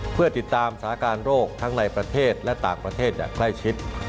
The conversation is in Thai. เพื่อติดตามสถานการณ์โรคทั้งในประเทศและต่างประเทศอย่างใกล้ชิด